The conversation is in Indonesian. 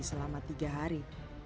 selama tiga hari